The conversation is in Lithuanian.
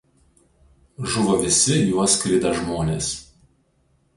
Žuvo visi juo skridę žmonės.